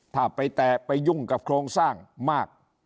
ถ้าไปแตะไปยุ่งกับโครงสร้างมาก